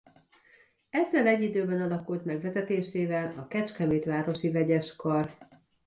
Ezzel egy időben alakult meg vezetésével a Kecskemét Városi Vegyeskar.